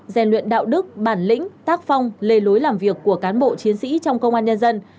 rèn luyện đạo đức bản lĩnh tác phong lề lối làm việc của cán bộ chiến sĩ trong công an nhân dân